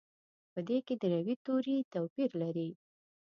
په دې کې د روي توري توپیر لري.